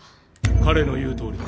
彼の言う通りだ。